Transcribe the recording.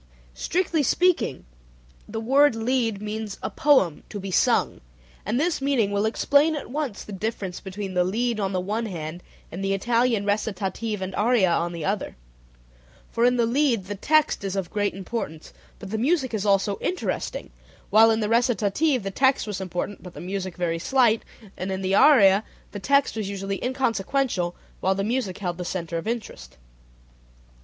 Strictly speaking the word lied means "a poem to be sung," and this meaning will explain at once the difference between the lied on the one hand, and the Italian recitative and aria on the other, for in the lied the text is of great importance, but the music is also interesting, while in the recitative the text was important but the music very slight, and in the aria the text was usually inconsequential while the music held the center of interest.